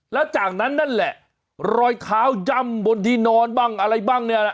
แล้วจากนั้นนั่นแหละรอยเท้าย่ำบนที่นอนบ้างอะไรบ้างเนี่ยนะ